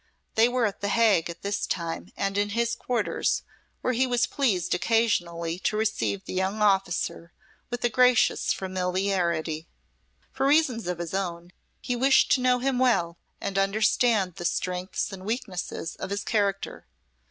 They were at the Hague at this time and in his quarters, where he was pleased occasionally to receive the young officer with a gracious familiarity. For reasons of his own, he wished to know him well and understand the strengths and weaknesses of his character.